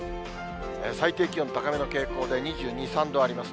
最低気温、高めの傾向で２２、３度あります。